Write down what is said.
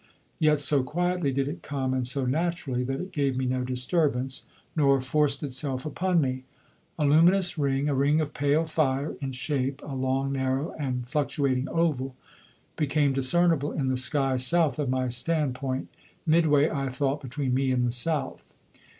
Yet so quietly did it come, and so naturally, that it gave me no disturbance, nor forced itself upon me. A luminous ring, a ring of pale fire, in shape a long, narrow, and fluctuating oval, became discernible in the sky south of my stand point, midway (I thought) between me and the south.